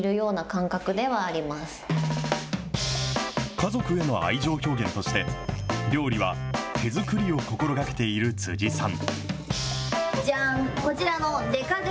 家族への愛情表現として、料理は手作りを心がけている辻さん。